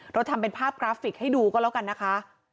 เราทำเป็นภาพกราฟิกให้ดูก็แล้วกันนะคะ